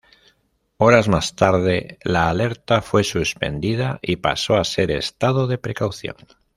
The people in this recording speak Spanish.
Horas más tarde, la alerta fue suspendida y pasó a ser estado de precaución.